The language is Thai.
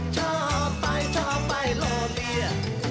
ชอบไปชอบไปโลเมีย